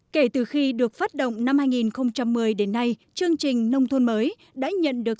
kể từ khi được phát động năm hai nghìn một mươi đến nay chương trình nông thôn mới đã nhận được